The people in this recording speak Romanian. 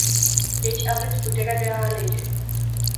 Deci aveți puterea de a alege.